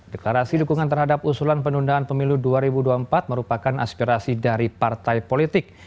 deklarasi dukungan terhadap usulan penundaan pemilu dua ribu dua puluh empat merupakan aspirasi dari partai politik